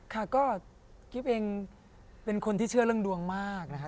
ค่ะก็กิ๊บเองเป็นคนที่เชื่อเรื่องดวงมากนะคะ